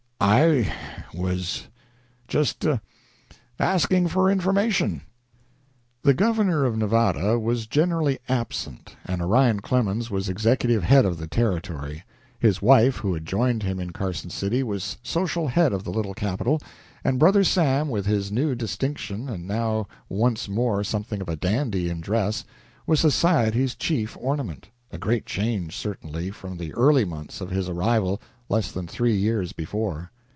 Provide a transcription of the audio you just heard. "I was just asking for information." The governor of Nevada was generally absent, and Orion Clemens was executive head of the territory. His wife, who had joined him in Carson City, was social head of the little capital, and Brother Sam, with his new distinction and now once more something of a dandy in dress, was society's chief ornament a great change, certainly, from the early months of his arrival less than three years before.